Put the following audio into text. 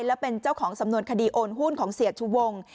และเป็นเจ้าของสำนวนคดีโอนหุ้นของเสียชูวง